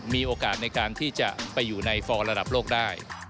มีโอกาสในการที่จะไปอยู่ในฟอร์มระดับโลกได้